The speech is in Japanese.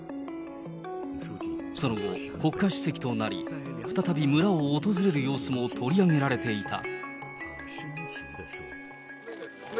その後、国家主席となり、再び村を訪れる様子も取り上げられていた。